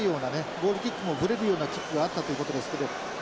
ゴールキックもぶれるようなキックがあったということですけど。